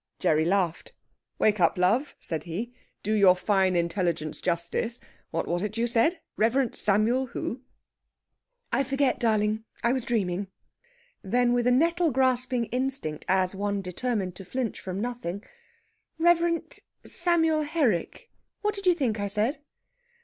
Gerry laughed. "Wake up, love!" said he. "Do your fine intelligence justice! What was it you said? Reverend Samuel who?" "I forget, darling. I was dreaming." Then, with a nettle grasping instinct, as one determined to flinch from nothing, "Reverend Samuel Herrick. What did you think I said?"